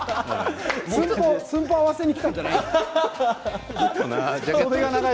寸法を合わせに来たんじゃないのよ。